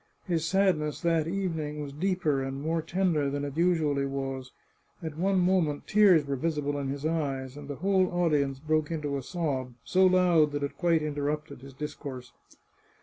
His sadness, that evening, was deeper and more tender than it generally was; at one moment tears were 513 The Chartreuse of Parma visible in his eyes, and the whole audience broke into a sob, so loud that it quite interrupted his discourse.